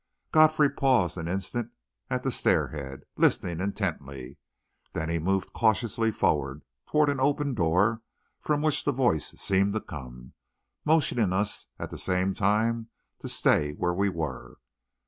Godfrey paused an instant at the stairhead, listening intently; then he moved cautiously forward toward an open door from which the voice seemed to come, motioning us at the same time to stay where we were.